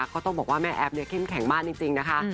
ก็ต้องบอกว่าแม่แอฟเนี่ยเข้มแข็งมากจริงนะคะ